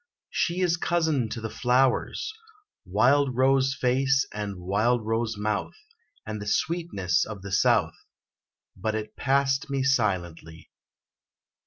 She is cousin to the flowers Wild rose face and wild rose mouth, And the sweetness of the south." But it passed me silently.